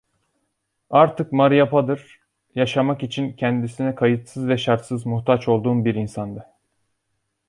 Artık Maria Puder, yaşamak için kendisine kayıtsız ve şartsız muhtaç olduğum bir insandı.